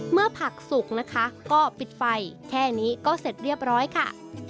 ผักสุกนะคะก็ปิดไฟแค่นี้ก็เสร็จเรียบร้อยค่ะ